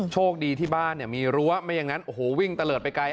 โชคดีที่บ้านมีรั้วไม่อย่างนั้นโอ้โหวิ่งตะเลิศไปไกล